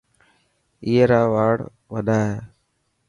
اي را واڙ وڏا هي.